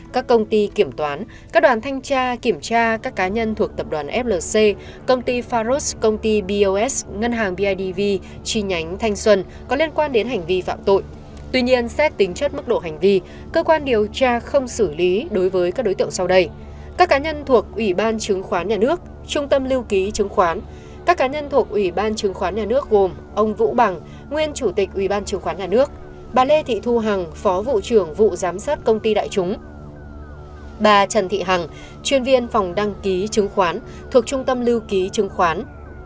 các cá nhân thuộc ủy ban chứng khoán nhà nước trung tâm lưu ký chứng khoán các cá nhân thuộc ủy ban chứng khoán nhà nước gồm ông vũ bằng nguyên chủ tịch ủy ban chứng khoán nhà nước bà lê thị thu hằng phó vụ trưởng vụ giám sát công ty đại chúng bà trần thị hằng chuyên viên phòng đăng ký chứng khoán thuộc trung tâm lưu ký chứng khoán